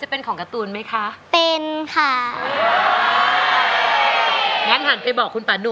ร้องถูกเอาไปเลย